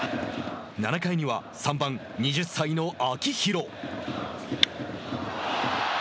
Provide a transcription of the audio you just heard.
７回には３番２０歳の秋広。